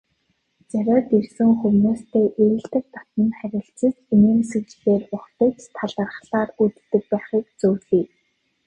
Зориод ирсэн хүмүүстэй эелдэг дотно харилцаж, инээмсэглэлээр угтаж, талархлаар үддэг байхыг зөвлөе.